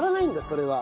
それは。